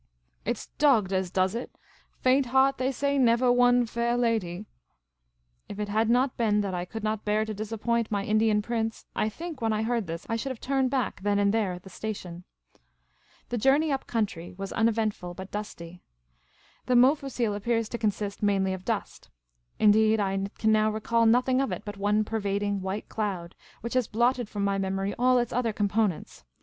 It 's dogged as does it ; faint heart, they say, nevah won fair lady !" If it had not been that I could not bear to disappoint my Indian prince, I think, when I heard this, I should have turned back then and there at the station. The journey up country was uneventful, but dusty. The Mofussil appears to consist mainly of dust ; indeed, I can now recall nothing of it but one pervading white cloud, which has blotted from my memory all its other components.